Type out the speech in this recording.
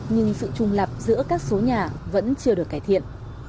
nhưng sự trùng lập giữa các số nhà vẫn chưa được cải thiện